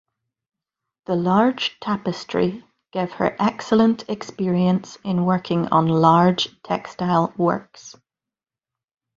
The large tapestry gave her excellent experience in working on large textile works.